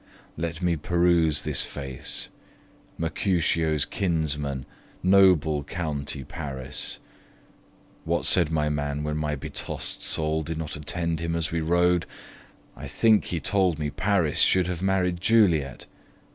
Let me peruse this face Mercutio's kinsman! noble county Paris! What said my man, when my betossed soul Did not attend him as we rode! I think, He told me, Paris should have married Juliet!